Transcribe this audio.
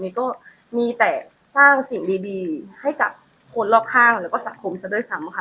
ก็มีแต่สร้างสิ่งดีให้กับคนรอบข้างแล้วก็สังคมซะด้วยซ้ำค่ะ